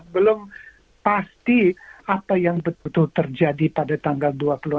belum pasti apa yang betul betul terjadi pada tanggal dua puluh empat